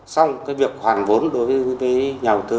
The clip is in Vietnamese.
xong việc hoàn vốn đối với nhà đầu tư